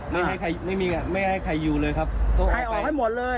ไม่ให้ใครไม่มีไม่ให้ใครอยู่เลยครับใครออกให้หมดเลย